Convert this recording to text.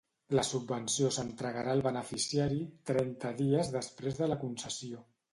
La subvenció s'entregarà al beneficiari trenta dies després de la concessió.